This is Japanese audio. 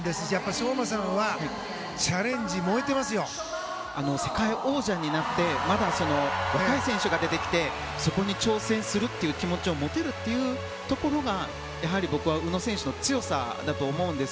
昌磨さんは世界王者になってまた若い選手が出てきてそこに挑戦する気持ちを持てるところがやはり僕は宇野選手の強さだと思うんです。